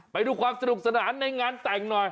ไปดูความสนุกสนานในงานแต่งหน่อย